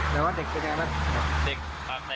ยับซ้ำเนี่ยคนขับรถก็พอ